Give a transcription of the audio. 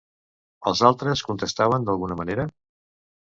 Els altres contestaven d'alguna manera?